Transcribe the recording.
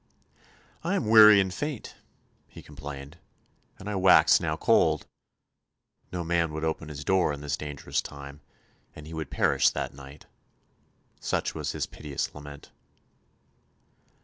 "I am weary and faint," he complained, "and I wax now cold." No man would open his door in this dangerous time, and he would perish that night. Such was his piteous lament.